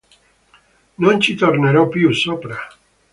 Non ci tornerò più sopra.